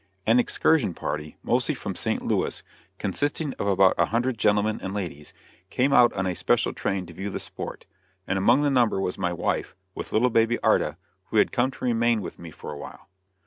An excursion party, mostly from St. Louis, consisting of about a hundred gentlemen and ladies, came out on a special train to view the sport, and among the number was my wife, with little baby Arta, who had come to remain with me for a while.